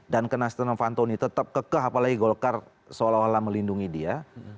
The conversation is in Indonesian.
dan karena setia novanto ini tetap kekeh apalagi golkar seolah olah melindungi dia